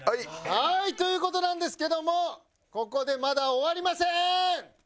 はい！という事なんですけどもここでまだ終わりません！